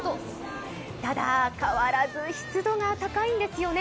ただ変わらず湿度が高いんですよね。